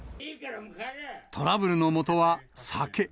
トラブルのもとは酒。